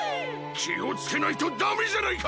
きをつけないとダメじゃないか！